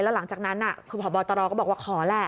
แล้วหลังจากนั้นผอบตรก็บอกว่าขอแหละ